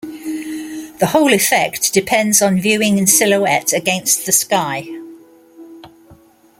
The whole effect depends on viewing in silhouette against the sky.